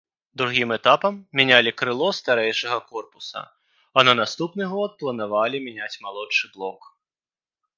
Другім этапам мянялі крыло старэйшага корпуса, а на наступны год планавалі мяняць малодшы блок.